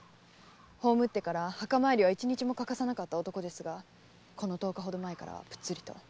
葬ってから墓参りは一日も欠かさなかった男ですがこの十日ほど前からプッツリと。